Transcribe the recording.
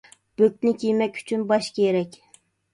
بۆكنى كىيمەك ئۈچۈن باش كېرەك.